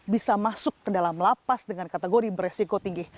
bisa masuk ke dalam lapas dengan kategori beresiko tinggi